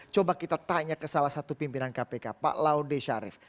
coba kita tanya ke salah satu pimpinan kpk pak laude syarif